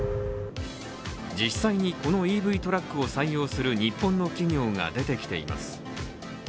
実際にこのＥＶトラックを採用する日本の企業が出てきています。